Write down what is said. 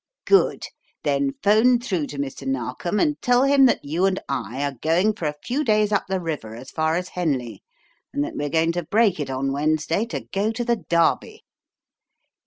"Good. Then 'phone through to Mr. Narkom and tell him that you and I are going for a few days up the river as far as Henley, and that we are going to break it on Wednesday to go to the Derby."